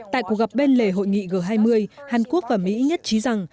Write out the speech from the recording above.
tại cuộc gặp bên lề hội nghị g hai mươi hàn quốc và mỹ nhất trí rằng